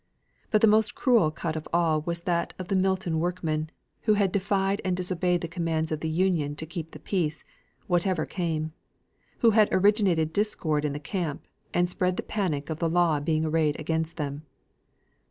But the most cruel cut of all was that of the Milton workmen, who had defied and disobeyed the commands of the Union to keep the peace, whatever came; who had originated discord in the camp, and spread the panic of the law being arrayed against them.